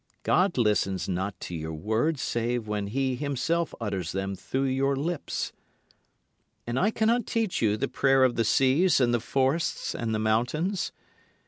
God listens not to your words save when He Himself utters them through your lips. And I cannot teach you the prayer of the seas and the forests and the mountains.